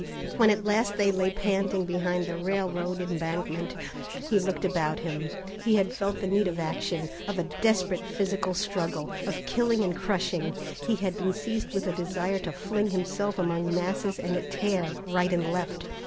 When at last they lay panting behind the railroad embankment, he looked about him. He had felt the need of action, of a desperate physical struggle, of killing and crushing. He had been seized with a desire to fling himself among masses and tear right and left.